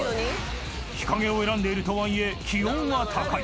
［日陰を選んでいるとはいえ気温は高い］